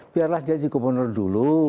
biarlah jadi gubernur dulu